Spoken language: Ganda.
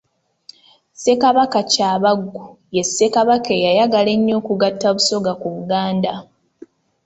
Ssekabaka Kyabaggu ye Ssekabaka eyayagala ennyo okugatta Busoga ku Buganda.